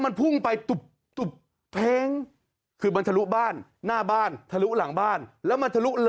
มาทำการ